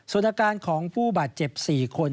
ส่วนอาการของผู้บาดเจ็บ๔คน